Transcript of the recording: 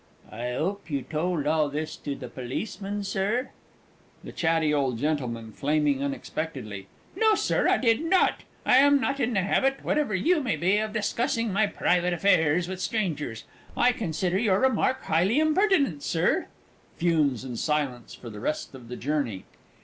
I 'ope you told all this to the Policeman, Sir? THE C. O. G. (flaming unexpectedly). No, Sir, I did not. I am not in the habit whatever you may be of discussing my private affairs with strangers. I consider your remark highly impertinent, Sir. [_Fumes in silence for the rest of the journey.